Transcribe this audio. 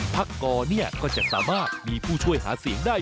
กรก็จะสามารถมีผู้ช่วยหาเสียงได้